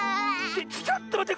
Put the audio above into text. ちょっとまって！